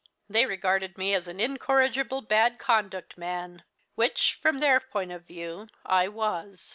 They regarded me as an incorrigible bad conduct man which, from their point of view, I was.